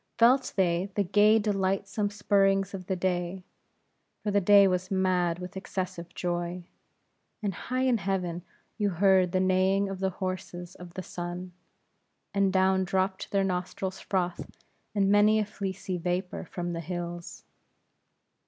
Felt they the gay delightsome spurrings of the day; for the day was mad with excessive joy; and high in heaven you heard the neighing of the horses of the sun; and down dropt their nostrils' froth in many a fleecy vapor from the hills.